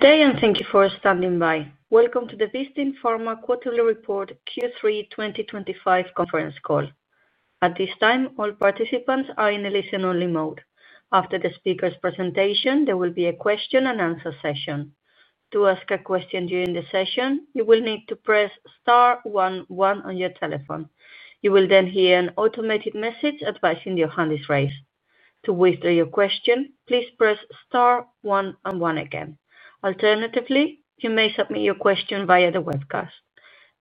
Good day, and thank you for standing by. Welcome to the Vistin Pharma Quarterly Report Q3 2025 Conference Call. At this time, all participants are in a listen-only mode. After the speakers' presentation, there will be a question-and-answer session. To ask a question during the session, you will need to press *11 on your telephone. You will then hear an automated message advising your hand is raised. To withdraw your question, please press *11 again. Alternatively, you may submit your question via the webcast.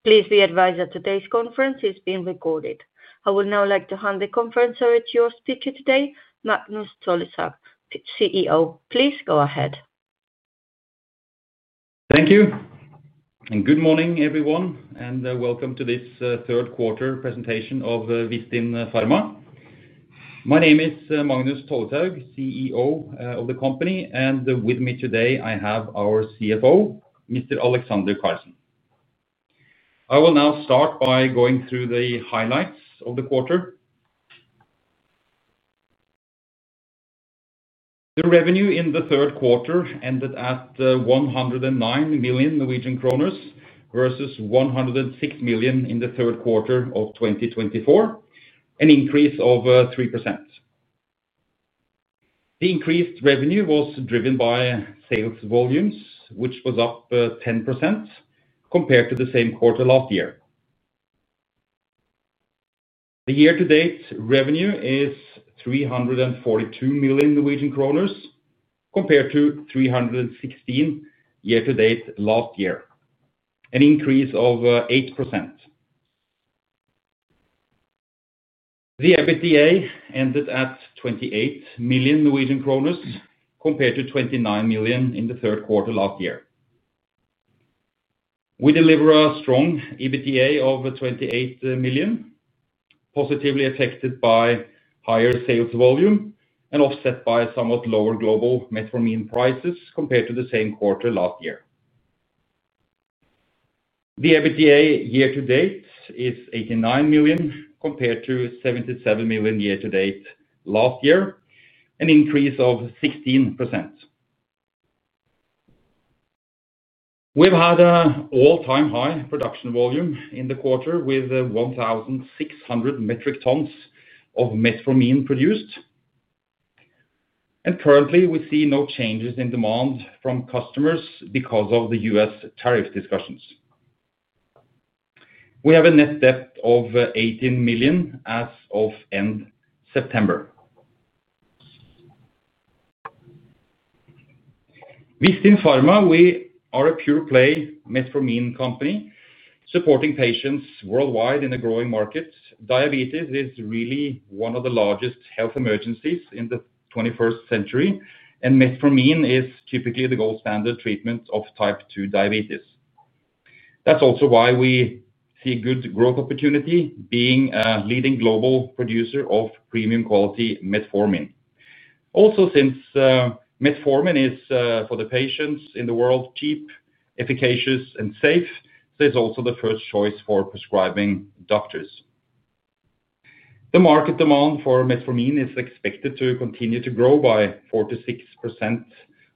Please be advised that today's conference is being recorded. I would now like to hand the conference over to your speaker today, Magnus Tolleshaug, CEO. Please go ahead. Thank you. Good morning, everyone, and welcome to this third quarter presentation of Vistin Pharma. My name is Magnus Tolleshaug, CEO of the company, and with me today, I have our CFO, Mr. Alexander Karlsen. I will now start by going through the highlights of the quarter. The revenue in the third quarter ended at 109 million Norwegian kroner versus 106 million in the third quarter of 2024, an increase of 3%. The increased revenue was driven by sales volumes, which was up 10% compared to the same quarter last year. The year-to-date revenue is 342 million Norwegian kroner compared to 316 million year-to-date last year, an increase of 8%. The EBITDA ended at 28 million Norwegian kroner compared to 29 million in the third quarter last year. We deliver a strong EBITDA of 28 million, positively affected by higher sales volume and offset by somewhat lower global metformin prices compared to the same quarter last year. The EBITDA year-to-date is 89 million compared to 77 million year-to-date last year, an increase of 16%. We've had an all-time high production volume in the quarter with 1,600 metric tons of metformin produced. Currently, we see no changes in demand from customers because of the U.S. tariff discussions. We have a net debt of 18 million as of end September. Vistin Pharma, we are a pure-play metformin company supporting patients worldwide in a growing market. Diabetes is really one of the largest health emergencies in the 21st century, and metformin is typically the gold standard treatment of type 2 diabetes. That's also why we see a good growth opportunity being a leading global producer of premium-quality metformin. Also, since metformin is, for the patients in the world, cheap, efficacious, and safe, it's also the first choice for prescribing doctors. The market demand for metformin is expected to continue to grow by 4% to 6%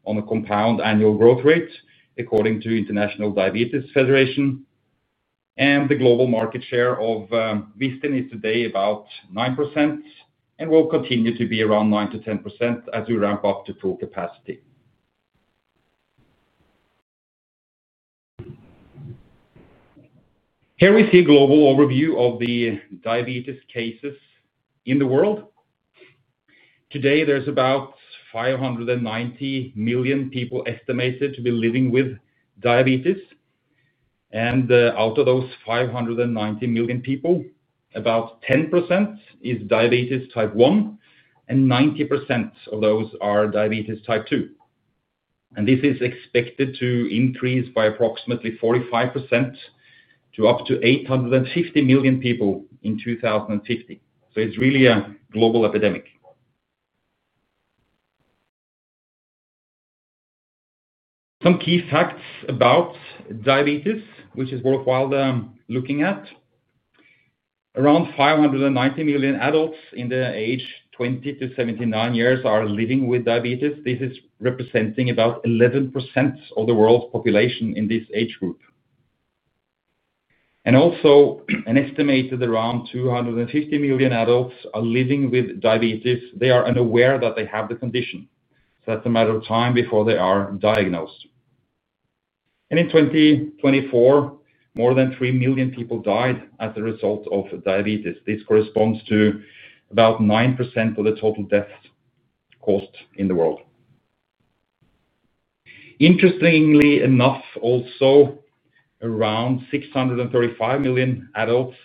on a compound annual growth rate, according to the International Diabetes Federation. The global market share of Vistin is today about 9% and will continue to be around 9% to 10% as we ramp up to full capacity. Here we see a global overview of the diabetes cases in the world. Today, there's about 590 million people estimated to be living with diabetes. Out of those 590 million people, about 10% is diabetes type 1, and 90% of those are diabetes type 2. This is expected to increase by approximately 45% to up to 850 million people in 2050. It's really a global epidemic. Some key facts about. Diabetes, which is worthwhile looking at. Around 590 million adults in the age 20 to 79 years are living with diabetes. This is representing about 11% of the world's population in this age group. Also, an estimated around 250 million adults are living with diabetes. They are unaware that they have the condition, so that's a matter of time before they are diagnosed. In 2024, more than 3 million people died as a result of diabetes. This corresponds to about 9% of the total deaths caused in the world. Interestingly enough, also, around 635 million adults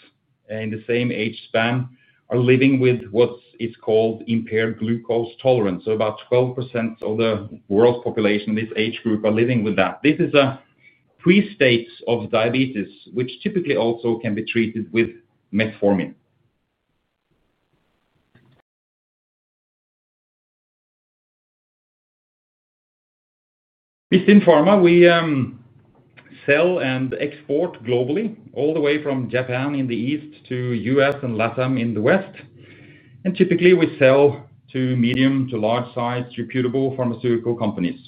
in the same age span are living with what is called impaired glucose tolerance, so about 12% of the world's population in this age group are living with that. This is a pre-state of diabetes, which typically also can be treated with metformin. Vistin Pharma, we sell and export globally, all the way from Japan in the east to the U.S. and LATAM in the west. Typically, we sell to medium to large-sized reputable pharmaceutical companies,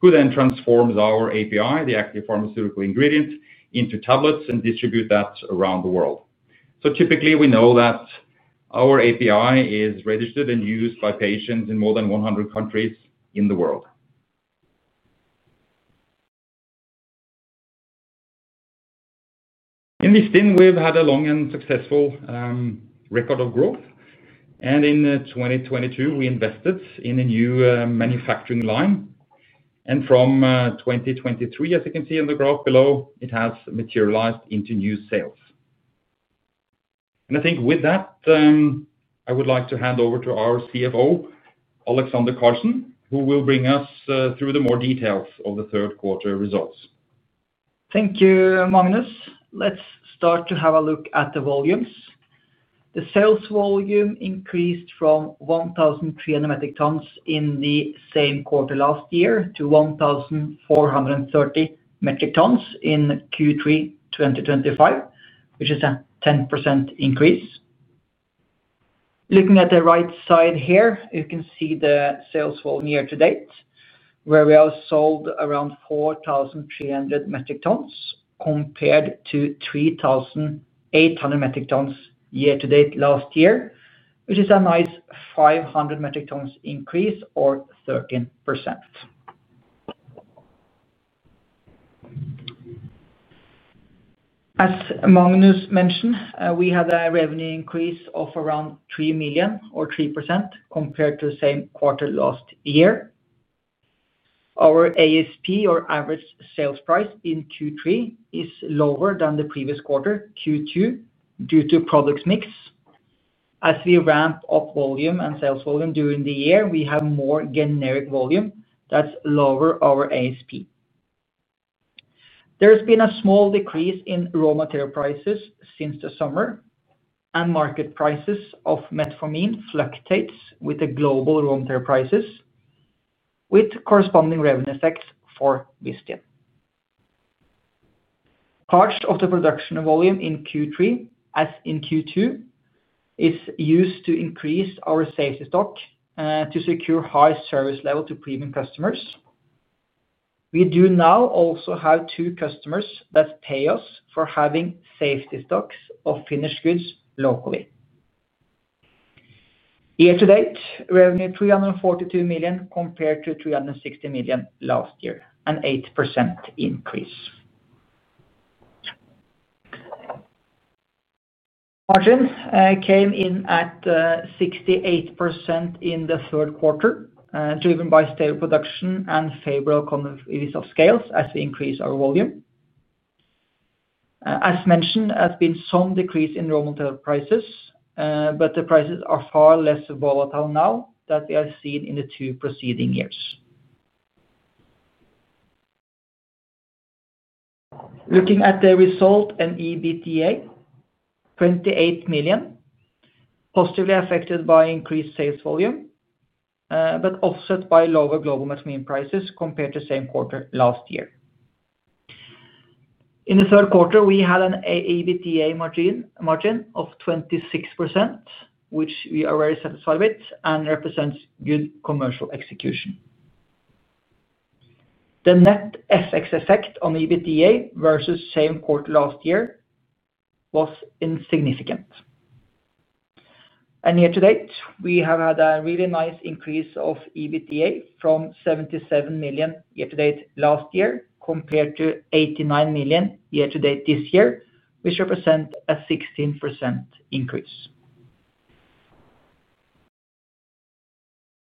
who then transform our API, the active pharmaceutical ingredient, into tablets and distribute that around the world. Typically, we know that our API is registered and used by patients in more than 100 countries in the world. In Vistin, we've had a long and successful record of growth. In 2022, we invested in a new manufacturing line. From 2023, as you can see on the graph below, it has materialized into new sales. With that, I would like to hand over to our CFO, Alexander Karlsen, who will bring us through the more details of the third quarter results. Thank you, Magnus. Let's start to have a look at the volumes. The sales volume increased from 1,300 metric tons in the same quarter last year to 1,430 metric tons in Q3 2025, which is a 10% increase. Looking at the right side here, you can see the sales volume year-to-date, where we have sold around 4,300 metric tons compared to 3,800 metric tons year-to-date last year, which is a nice 500 metric tons increase or 13%. As Magnus mentioned, we had a revenue increase of around 3 million or 3% compared to the same quarter last year. Our ASP, or average sales price in Q3, is lower than the previous quarter, Q2, due to product mix. As we ramp up volume and sales volume during the year, we have more generic volume that's lower our ASP. There has been a small decrease in raw material prices since the summer and market prices of methylamine fluctuate with the global raw material prices, with corresponding revenue effects for Vistin. Part of the production volume in Q3, as in Q2, is used to increase our safety stock to secure high service levels to premium customers. We do now also have two customers that pay us for having safety stocks of finished goods locally. Year-to-date, revenue is 342 million compared to 360 million last year, an 8% increase. Margin came in at 68% in the third quarter, driven by stable production and favorable conditions of scales as we increase our volume. As mentioned, there has been some decrease in raw material prices, but the prices are far less volatile now than we have seen in the two preceding years. Looking at the result and EBITDA, 28 million, positively affected by increased sales volume, but offset by lower global methylamine prices compared to the same quarter last year. In the third quarter, we had an EBITDA margin of 26%, which we are very satisfied with and represents good commercial execution. The net FX effect on EBITDA versus the same quarter last year was insignificant. Year-to-date, we have had a really nice increase of EBITDA from 77 million year-to-date last year compared to 89 million year-to-date this year, which represents a 16% increase.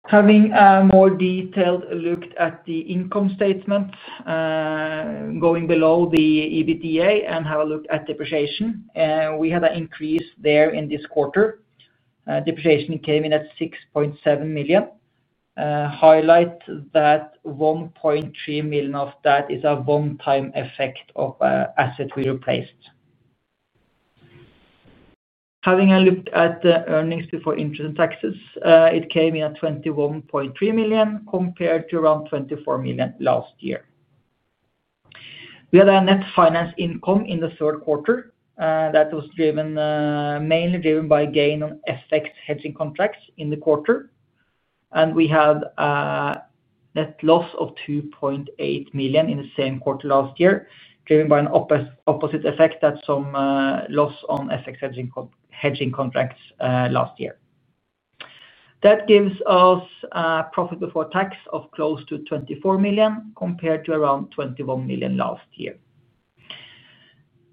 Having a more detailed look at the income statement, going below the EBITDA and have a look at depreciation, we had an increase there in this quarter. Depreciation came in at 6.7 million. Highlight that 1.3 million of that is a one-time effect of asset replaced. Having a look at the earnings before interest and taxes, it came in at 21.3 million compared to around 24 million last year. We had a net finance income in the third quarter that was mainly driven by gain on FX hedging contracts in the quarter. We had a net loss of 2.8 million in the same quarter last year, driven by an opposite effect, that's some loss on FX hedging contracts last year. That gives us a profit before tax of close to 24 million compared to around 21 million last year.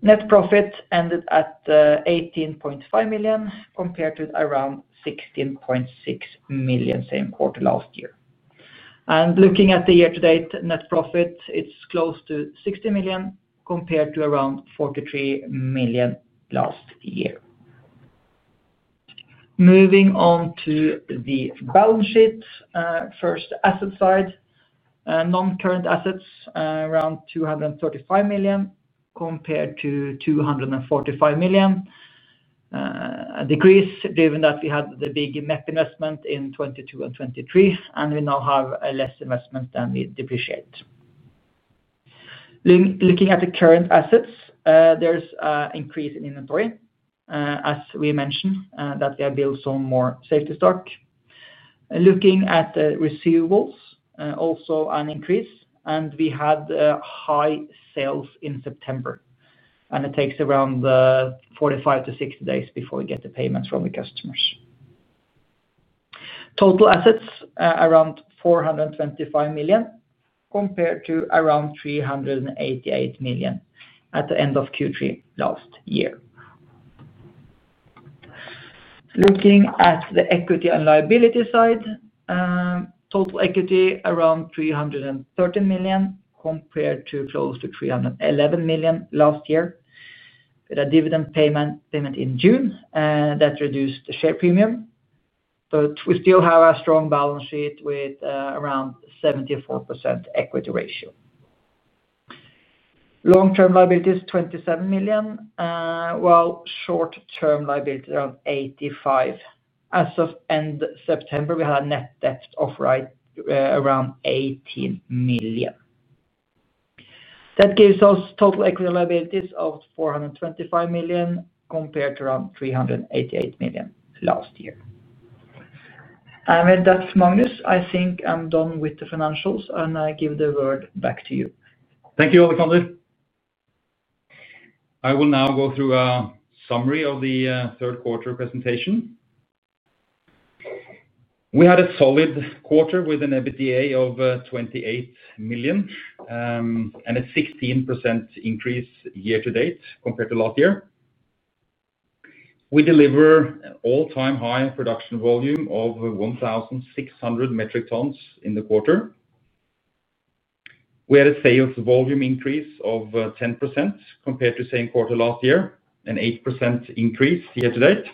Net profit ended at 18.5 million compared to around 16.6 million same quarter last year. Looking at the year-to-date net profit, it's close to 60 million compared to around 43 million last year. Moving on to the balance sheet, first asset side. Non-current assets, around 235 million compared to 245 million. A decrease given that we had the big net investment in 2022 and 2023, and we now have less investment than we depreciated. Looking at the current assets, there's an increase in inventory, as we mentioned, that we have built some more safety stock. Looking at the receivables, also an increase, and we had high sales in September. It takes around 45 to 60 days before we get the payments from the customers. Total assets, around 425 million compared to around 388 million at the end of Q3 last year. Looking at the equity and liability side, total equity around 313 million compared to close to 311 million last year, with a dividend payment in June that reduced the share premium. We still have a strong balance sheet with around 74% equity ratio. Long-term liabilities, 27 million, while short-term liabilities around 85 million. As of end September, we had a net debt of around 18 million. That gives us total equity and liabilities of 425 million compared to around 388 million last year. With that, Magnus, I think I'm done with the financials, and I give the word back to you. Thank you, Alexander. I will now go through a summary of the third quarter presentation. We had a solid quarter with an EBITDA of 28 million and a 16% increase year-to-date compared to last year. We deliver an all-time high production volume of 1,600 metric tons in the quarter. We had a sales volume increase of 10% compared to the same quarter last year, an 8% increase year-to-date.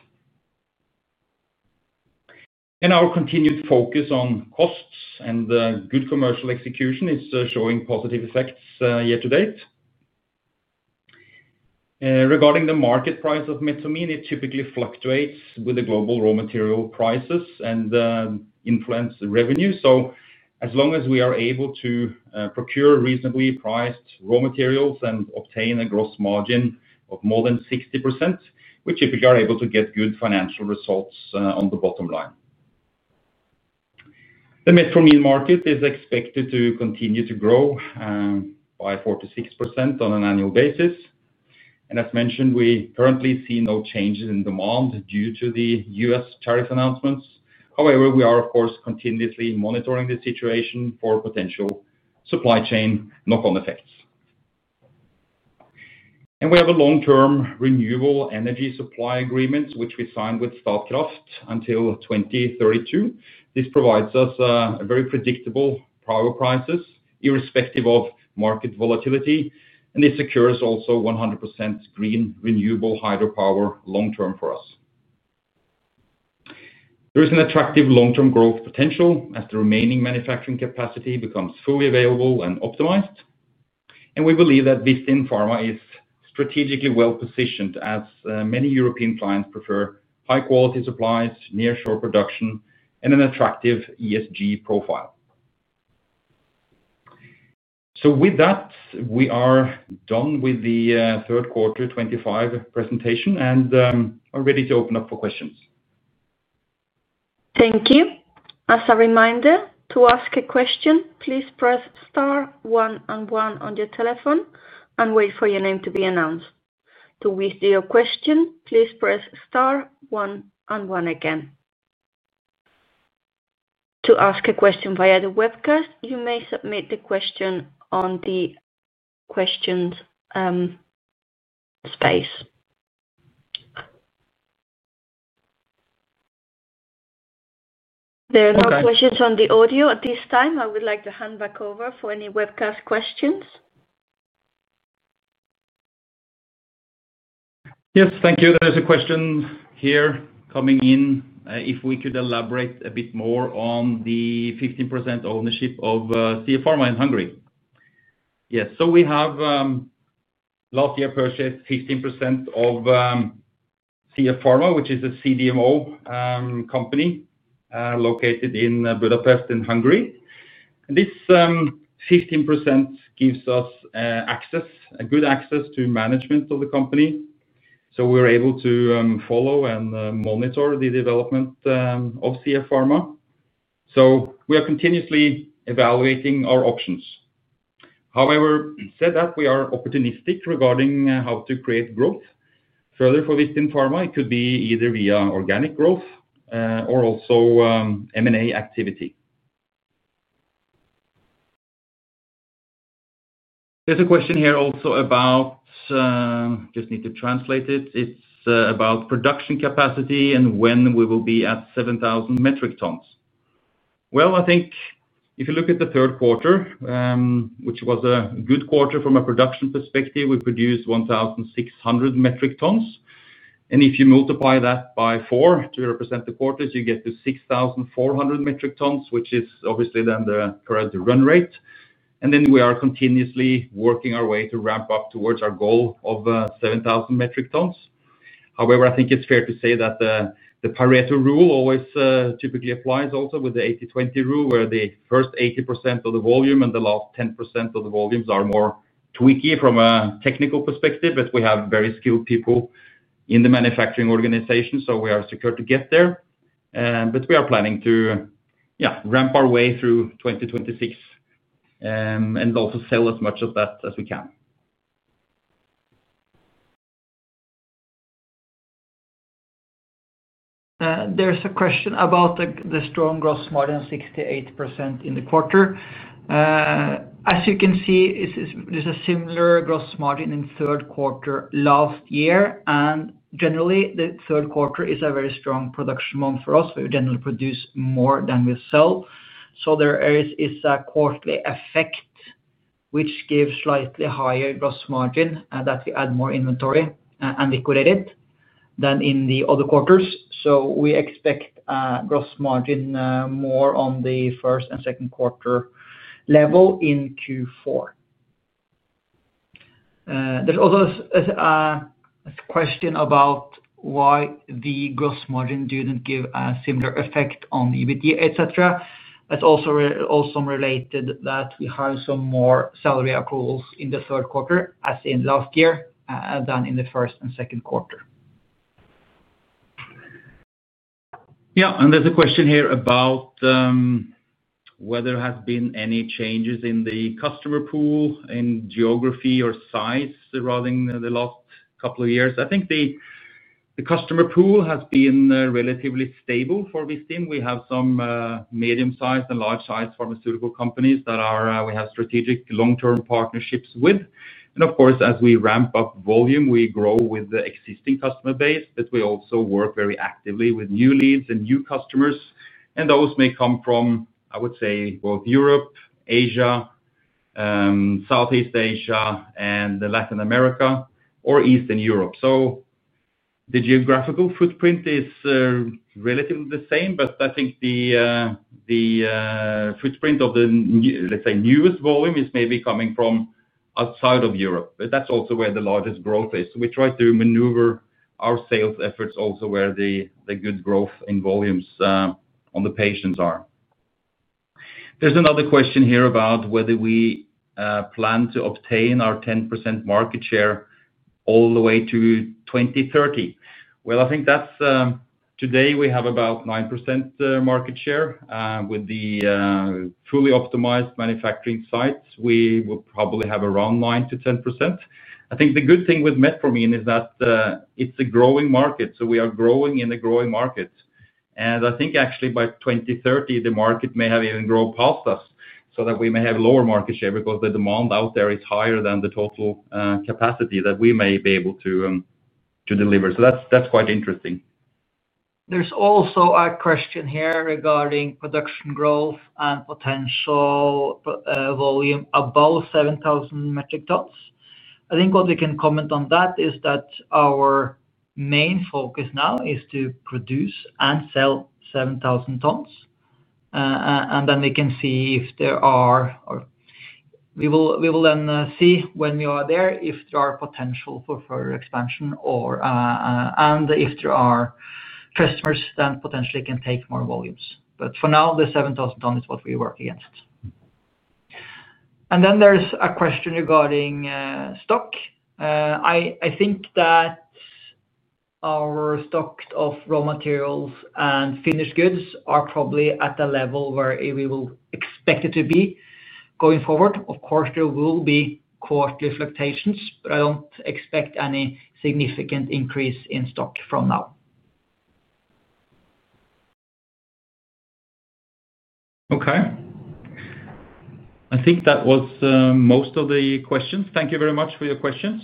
Our continued focus on costs and good commercial execution is showing positive effects year-to-date. Regarding the market price of metformin, it typically fluctuates with the global raw material prices and influences revenue. As long as we are able to procure reasonably priced raw materials and obtain a gross margin of more than 60%, we typically are able to get good financial results on the bottom line. The metformin market is expected to continue to grow by 4% to 6% on an annual basis. As mentioned, we currently see no changes in demand due to the U.S. tariff announcements. We are, of course, continuously monitoring the situation for potential supply chain knock-on effects. We have a long-term renewable energy supply agreement, which we signed with Statkraft until 2032. This provides us very predictable power prices, irrespective of market volatility. This secures also 100% green renewable hydropower long-term for us. There is an attractive long-term growth potential as the remaining manufacturing capacity becomes fully available and optimized. We believe that Vistin Pharma is strategically well-positioned, as many European clients prefer high-quality supplies, near-shore production, and an attractive ESG profile. With that, we are done with the third quarter 2025 presentation and are ready to open up for questions. Thank you. As a reminder, to ask a question, please press Star 1 and 1 on your telephone and wait for your name to be announced. To whisper your question, please press Star 1 and 1 again. To ask a question via the webcast, you may submit the question on the Questions space. There are no questions on the audio at this time. I would like to hand back over for any webcast questions. Yes, thank you. There is a question here coming in. If we could elaborate a bit more on the 15% ownership of CF Pharma in Hungary. Yes, so we have last year purchased 15% of CF Pharma, which is a CDMO company located in Budapest in Hungary. This 15% gives us access, good access to management of the company. So we're able to follow and monitor the development of CF Pharma. We are continuously evaluating our options. However, said that we are opportunistic regarding how to create growth further for Vistin Pharma, it could be either via organic growth or also M&A activity. There's a question here also about, I just need to translate it. It's about production capacity and when we will be at 7,000 metric tons. If you look at the third quarter, which was a good quarter from a production perspective, we produced 1,600 metric tons. If you multiply that by four to represent the quarters, you get to 6,400 metric tons, which is obviously then the current run rate. We are continuously working our way to ramp up towards our goal of 7,000 metric tons. I think it's fair to say that the Pareto rule always typically applies also with the 80/20 rule, where the first 80% of the volume and the last 10% of the volumes are more tweaky from a technical perspective. We have very skilled people in the manufacturing organization, so we are secured to get there. We are planning to ramp our way through 2026 and also sell as much of that as we can. There's a question about the strong gross margin, 68% in the quarter. As you can see, this is a similar gross margin in the third quarter last year. Generally, the third quarter is a very strong production month for us. We generally produce more than we sell. There is a quarterly effect, which gives slightly higher gross margin that we add more inventory and liquidate it than in the other quarters. We expect gross margin more on the first and second quarter level in Q4. There's also a question about why the gross margin didn't give a similar effect on EBITDA, et cetera. It's also related that we have some more salary accruals in the third quarter, as in last year, than in the first and second quarter. Yeah, and there's a question here about whether there have been any changes in the customer pool, in geography or size surrounding the last couple of years. I think the customer pool has been relatively stable for Vistin. We have some medium-sized and large-sized pharmaceutical companies that we have strategic long-term partnerships with. Of course, as we ramp up volume, we grow with the existing customer base, but we also work very actively with new leads and new customers. Those may come from, I would say, both Europe, Asia, Southeast Asia, and Latin America, or Eastern Europe. The geographical footprint is relatively the same, but I think the footprint of the, let's say, newest volume is maybe coming from outside of Europe. That's also where the largest growth is. We try to maneuver our sales efforts also where the good growth in volumes on the patients are. There's another question here about whether we plan to obtain our 10% market share all the way to 2030. Today we have about 9% market share. With the fully optimized manufacturing sites, we would probably have around 9 to 10%. I think the good thing with metformin is that it's a growing market. We are growing in a growing market. I think actually by 2030, the market may have even grown past us so that we may have lower market share because the demand out there is higher than the total capacity that we may be able to deliver. That's quite interesting. There's also a question here regarding production growth and potential. Volume above 7,000 metric tons. What we can comment on is that our main focus now is to produce and sell 7,000 tons. We will then see when we are there if there is potential for further expansion and if there are customers that potentially can take more volumes. For now, the 7,000 ton is what we work against. There's a question regarding stock. Our stock of raw materials and finished goods are probably at the level where we will expect it to be going forward. Of course, there will be quarterly fluctuations, but I don't expect any significant increase in stock from now. Okay. I think that was most of the questions. Thank you very much for your questions.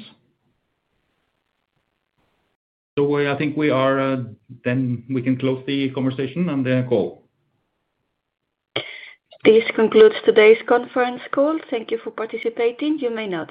I think we are, -- and we can close the conversation and the call. This concludes today's conference call. Thank you for participating. You may now.